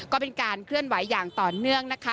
ก็เป็นการเคลื่อนไหวอย่างต่อเนื่องนะคะ